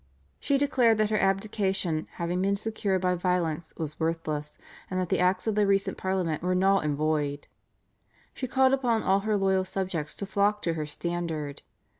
She declared that her abdication having been secured by violence was worthless, and that the acts of the recent Parliament were null and void. She called upon all her loyal subjects to flock to her standard.